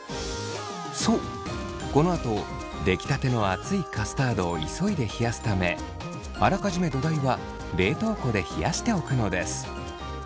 そうこのあと出来たての熱いカスタードを急いで冷やすためあらかじめ土台は冷凍庫で冷やしておくのです。